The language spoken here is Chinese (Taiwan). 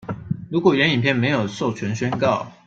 如果原影片沒有授權宣告